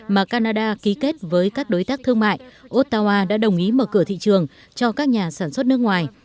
mà canada ký kết với các đối tác thương mại ottawa đã đồng ý mở cửa thị trường cho các nhà sản xuất nước ngoài